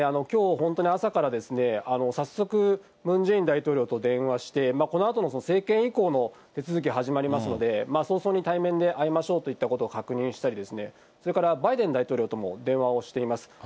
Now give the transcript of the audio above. きょう、本当に朝から早速、ムン・ジェイン大統領と電話して、このあとも政権移行の手続き始まりますので、早々に対面で会いましょうといったことを確認したり、それからバイデン大統領とも電話をしています。